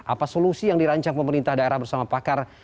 apa solusi yang dirancang pemerintah daerah bersama pakar